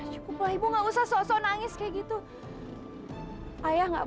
sampai jumpa di video selanjutnya